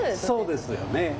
そうですよね。